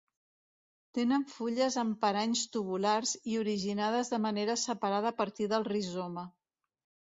Tenen fulles amb paranys tubulars i originades de manera separada a partir del rizoma.